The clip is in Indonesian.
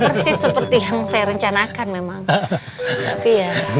persis seperti yang saya rencanakan memang